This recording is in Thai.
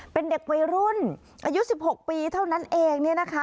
เป็นเด็กเวย์รุ่นอายุ๑๖ปีเท่านั้นเองเนี่ยนะคะ